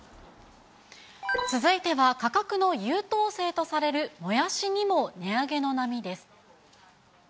続いては価格の優等生とされるもやしにも値上げの波です。